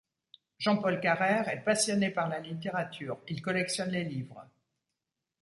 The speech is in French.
Jean-Paul Carrère est passionné par la littérature, il collectionne les livres.